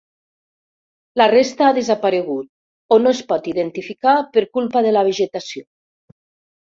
La resta ha desaparegut o no es pot identificar per culpa de la vegetació.